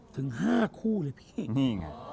ถึง๕คู่เลยพี่นี่ไง